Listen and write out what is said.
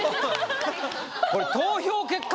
これ投票結果